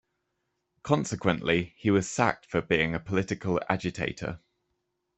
Consequently, he was sacked for being a political agitator.